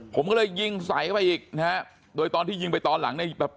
ผมก็เลยยิงใส่เข้าไปอีกนะฮะโดยตอนที่ยิงไปตอนหลังเนี่ยแบบ